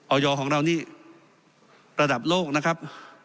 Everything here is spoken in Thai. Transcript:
ยของเรานี่ระดับโลกนะครับ